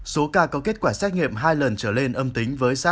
số ca có kết quả xét nghiệm hai lần trở lên âm tính với sars cov hai sáu ca